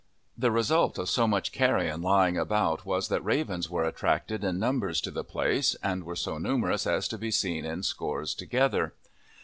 The result of so much carrion lying about was that ravens were attracted in numbers to the place and were so numerous as to be seen in scores together.